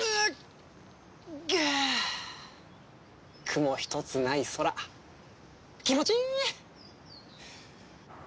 雲ひとつない空気持ちいい！